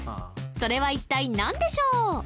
それは一体何でしょう？